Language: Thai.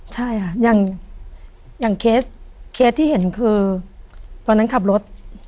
ใช่ค่ะอย่างเคสที่เห็นคือตอนนั้นขับรถ